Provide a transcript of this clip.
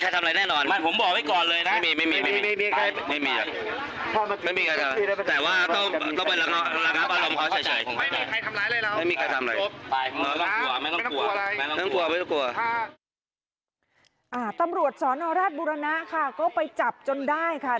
ตำรวจสนราชบุรณะค่ะก็ไปจับจนได้ค่ะ